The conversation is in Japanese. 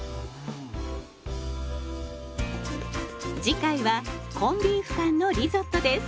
次回はコンビーフ缶のリゾットです。